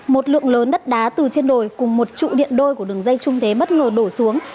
một lượng lớn đất đá từ trên đồi cùng một trụ điện đôi của đường dây trung thế bất ngờ đổ xuống